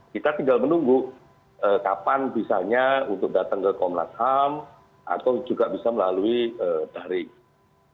kita tinggal menunggu kapan bisanya untuk datang ke komnasam atau juga bisa melalui tahrir